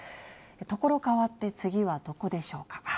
所かわって、次はどこでしょうか。